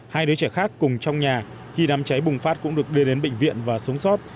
hai đứa trẻ khác cùng trong nhà khi đám cháy bùng phát cũng được đưa đến bệnh viện và sống sót